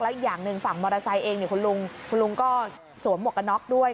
อีกอย่างหนึ่งฝั่งมอเตอร์ไซค์เองคุณลุงคุณลุงก็สวมหมวกกันน็อกด้วย